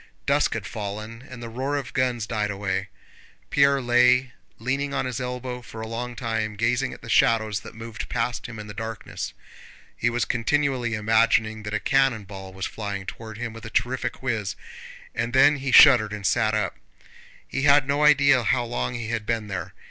Dusk had fallen, and the roar of guns died away. Pierre lay leaning on his elbow for a long time, gazing at the shadows that moved past him in the darkness. He was continually imagining that a cannon ball was flying toward him with a terrific whizz, and then he shuddered and sat up. He had no idea how long he had been there.